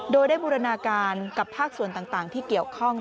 โดยได้บูรณาการกับภาคส่วนต่างที่เกี่ยวข้อง